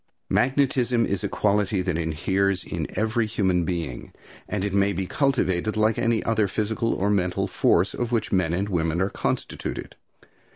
Magnetism is a quality that inheres in every human being, and it may be cultivated like any other physical or mental force of which men and women are constituted.